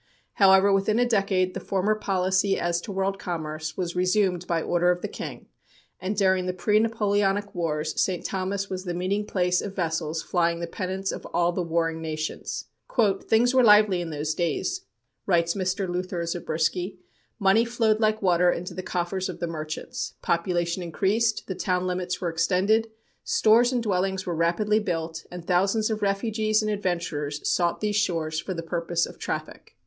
However, within a decade the former policy as to world commerce was resumed by order of the king, and during the pre Napoleonic wars St. Thomas was the meeting place of vessels flying the pennants of all the warring nations. "Things were lively in those days," writes Mr. Luther Zabriskie. "Money flowed like water into the coffers of the merchants. Population increased, the town limits were extended, stores and dwellings were rapidly built, and thousands of refugees and adventurers sought these shores for the purpose of traffic."